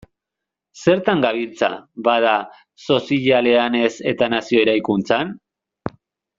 Zertan gabiltza, bada, sozialean ez eta nazio eraikuntzan?